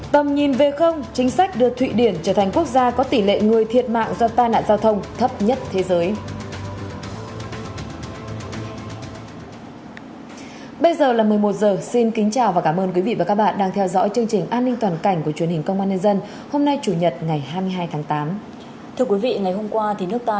tầm nhìn về không chính sách đưa thụy điển trở thành quốc gia có tỷ lệ người thiệt mạng do tai nạn giao thông thấp nhất thế giới